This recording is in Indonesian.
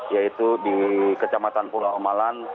yaitu di kecamatan pulau omalan